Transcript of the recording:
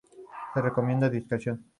Se recomienda discreción"